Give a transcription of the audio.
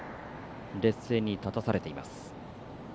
劣勢に立たされています。